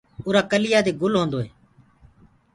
اُرآ ڪليآ دي گُل هودو هي۔